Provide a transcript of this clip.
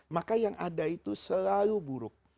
maka yang ada itu selalu buruk